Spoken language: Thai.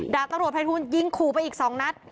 ดาบตำรวจภัยทูลยิงขู่ไปอีก๒นัด